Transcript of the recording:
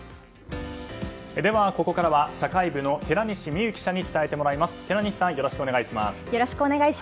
ここからは社会部の寺西未有記者に伝えてもらいます。